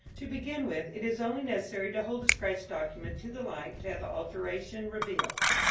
To begin with it is only necessary to hold a scratched document to the light to have the alteration revealed.